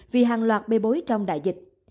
vì hàng loạt bê bối trong đại dịch